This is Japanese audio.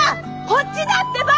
こっちだってば！